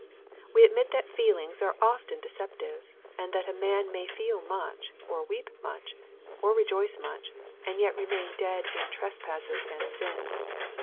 We admit that feelings are often deceptive, and that a man may feel much, or weep much, or rejoice much, and yet remain dead in trespasses and sins.